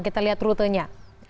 kita lihat rutenya